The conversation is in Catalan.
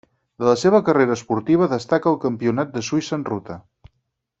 De la seva carrera esportiva destaca el Campionat de Suïssa en ruta.